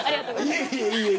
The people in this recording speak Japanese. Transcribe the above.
いえいえ。